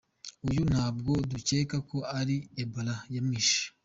Uyu ntabwo dukeka ko ari ebola yamwishe.